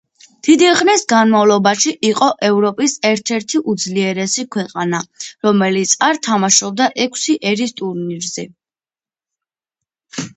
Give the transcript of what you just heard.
დიდი ხნის განმავლობაში იყო ევროპის ერთ-ერთი უძლიერესი ქვეყანა, რომელიც არ თამაშობდა ექვსი ერის ტურნირზე.